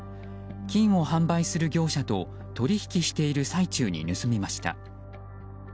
金を販売する業者と取引している最中に盗みました。